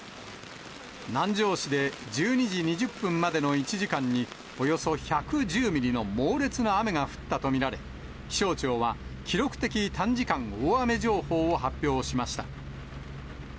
南城市で１２時２０分までの１時間に、およそ１１０ミリの猛烈な雨が降ったと見られ、気象庁は記録的短時間大雨情報を発表しました。